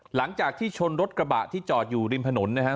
หลังจากที่ชนรถกระบะที่จอดอยู่ริมถนนนะครับ